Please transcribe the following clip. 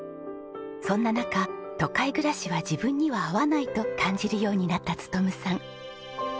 そんな中都会暮らしは自分には合わないと感じるようになった勉さん。